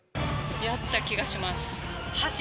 やった気がします。